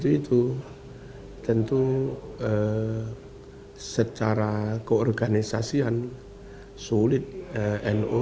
begitu begitu tentu secara keorganisasian sulit nu